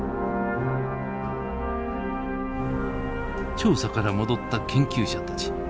調査から戻った研究者たち。